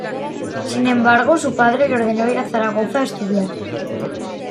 Sin embargo, su padre le ordenó ir a Zaragoza a estudiar.